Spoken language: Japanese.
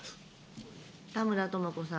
田村智子さん。